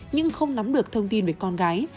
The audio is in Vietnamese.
nhưng không nắm được thông tin về con gái